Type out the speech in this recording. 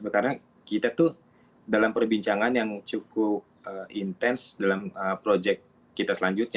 karena kita tuh dalam perbincangan yang cukup intens dalam proyek kita selanjutnya